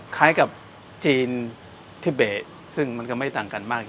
คล้ายกับจีนที่เบะซึ่งมันก็ไม่ต่างกันมาก